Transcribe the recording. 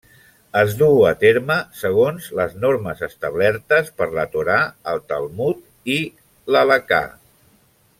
Es duu a terme segons les normes establertes per la Torà, el Talmud i l'Halacà.